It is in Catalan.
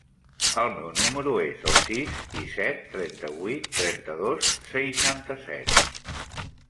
El meu número es el sis, disset, trenta-vuit, trenta-dos, seixanta-set.